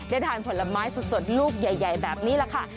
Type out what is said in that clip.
ได้ทานผลไม้สดลูกใหญ่แบบนี้แหละค่ะ